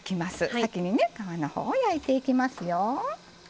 先にね皮のほうを焼いていきますよ。